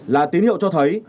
là tín hiệu cho thấy